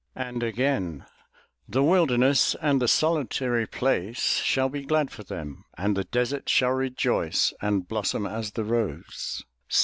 And again: "The wilderness and the solitary place shall be glad for them; and the desert shall rejoice and blossom as the rose.